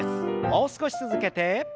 もう少し続けて。